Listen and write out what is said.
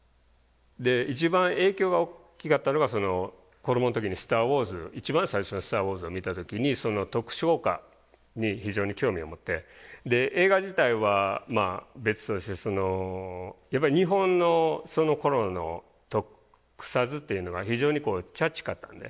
で一番影響が大きかったのが子どもの時に「スター・ウォーズ」一番最初の「スター・ウォーズ」を見た時にその特殊効果に非常に興味を持ってで映画自体はまあ別としてそのやっぱり日本のそのころの特撮っていうのが非常にチャチかったんで。